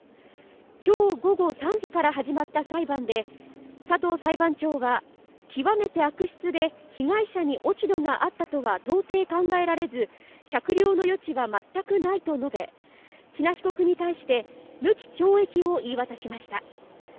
きょう午後３時から始まった裁判で、佐藤裁判長は、極めて悪質で被害者に落ち度があったとは到底考えられず、酌量の余地は全くないと述べ、喜納被告に対して無期懲役を言い渡しました。